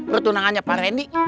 bertunangannya pak rendy